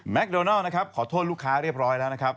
โดนัลนะครับขอโทษลูกค้าเรียบร้อยแล้วนะครับ